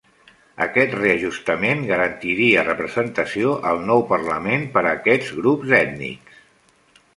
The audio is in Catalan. Aquest reajustament garantiria representació al nou parlament per a aquests grups ètnics.